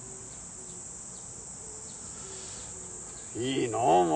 いいなお前。